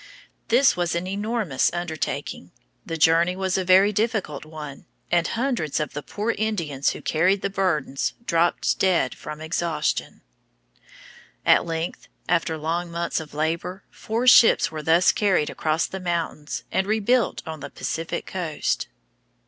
This was an enormous undertaking. The journey was a very difficult one, and hundreds of the poor Indians who carried the burdens dropped dead from exhaustion. At length, after long months of labor, four ships were thus carried across the mountains and rebuilt on the Pacific coast.